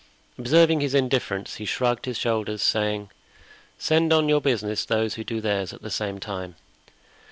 Observing his indifference, he shrugged his shoulders, saying: "Send on your business those who do theirs at the same time!